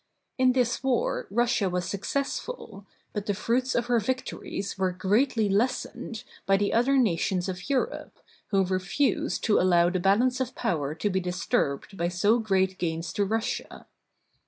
In this war Russia was successful, but the fruits of her victories were greatly lessened by the other nations of Europe, who refused to allow the balance of power to be disturbed by so great gains to Russia.